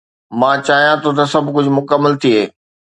مان چاهيان ٿو ته سڀ ڪجهه مڪمل ٿئي